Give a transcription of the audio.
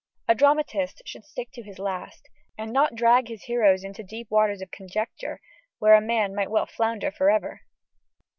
A dramatist should stick to his last, and not drag his hearers into deep waters of conjecture, where a man might well flounder for ever....